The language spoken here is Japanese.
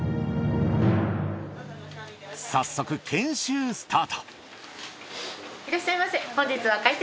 早速研修スタート。